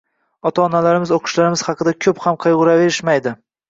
Ota onalarimiz o`qishlarimiz haqida ko`p ham qayg`uraverishmaydi